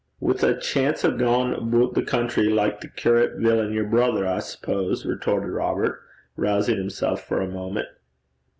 'Wi' a chance a' gaein' aboot the country like that curst villain yer brither, I suppose?' retorted Robert, rousing himself for a moment.